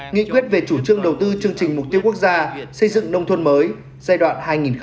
nghị quyết về chủ trương đầu tư chương trình mục tiêu quốc gia xây dựng nông thuận mới giai đoạn hai nghìn hai mươi một hai nghìn hai mươi năm